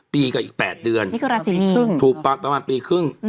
ปีกับอีก๘เดือนนี่คือราศีมีครึ่งถูกประมาณปีครึ่ง